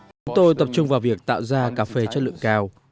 chúng tôi tập trung vào việc tạo ra cà phê chất lượng cao